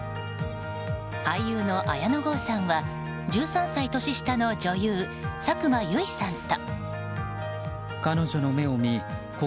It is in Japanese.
俳優の綾野剛さんは１３歳年下の女優佐久間由衣さんと。